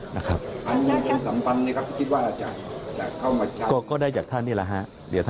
ถ้าท่านรู้ว่าเสียแป้งอยู่บนของบรรทัศน์ตรงเนี้ยค่ะ